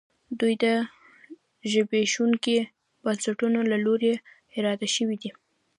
دوی د زبېښونکو بنسټونو له لوري اداره شوې دي